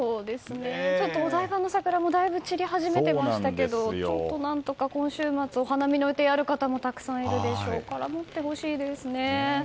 お台場の桜もだいぶ散り始めていましたけどちょっと何とか、今週末お花見の予定がある方もたくさんいるでしょうから持ってほしいですね。